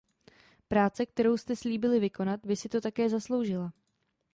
Práce, kterou jste slíbili vykonat, by si to také zasloužila.